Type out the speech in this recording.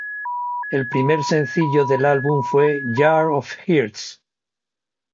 El primer sencillo del álbum fue "Jar of Hearts".